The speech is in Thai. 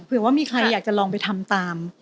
เผื่อว่ามีใครอยากจะลองไปทำตาม